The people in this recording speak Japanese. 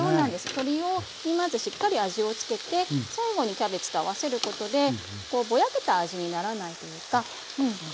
鶏にまずしっかり味を付けて最後にキャベツと合わせることでぼやけた味にならないというか。